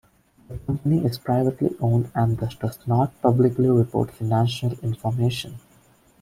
The company is privately owned and thus does not publicly report financial information.